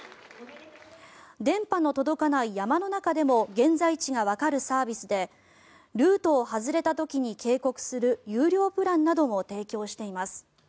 電波の届かない山の中でも現在地がわかるサービスでルートを外れた時に警告する有料プランなども提供しています。